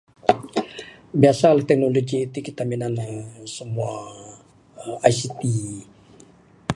Biasa ne teknologi ti kita minan aaa simua ICT.